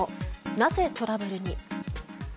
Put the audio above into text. なぜトラブルに。